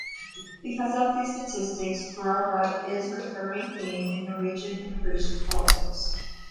Because of these statistics Grorud is a recurring theme in Norwegian immigration politics.